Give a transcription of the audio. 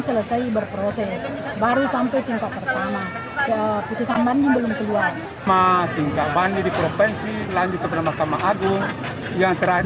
selesai berproses baru sampai tingkat pertama keputusan banding belum keluar